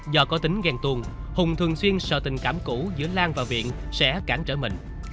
do có tính ghen tuồng hùng thường xuyên sợ tình cảm cũ giữa lan và viện sẽ cản trở mình